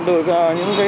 từ các phương tiện